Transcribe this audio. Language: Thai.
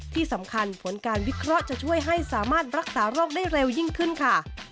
ที่สำคัญผลการวิเคราะห์จะช่วยให้สามารถรักษาโรคได้เร็วยิ่งขึ้นค่ะ